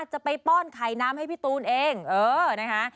ป้อนไข่น้ำให้พี่ตูนเองเออนะคะ